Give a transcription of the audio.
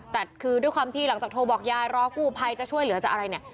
แต่คือด้วยความที่หลังจากโทรบอกยายรอกู้ภัยจะช่วยเหลือจะอะไรเนี่ย